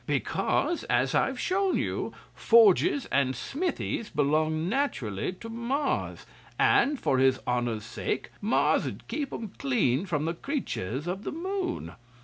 Because, as I've shown you, forges and smithies belong naturally to Mars, and, for his honour's sake, Mars 'ud keep 'em clean from the creatures of the Moon.